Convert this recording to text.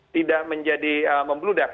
tidak menjadi memblodak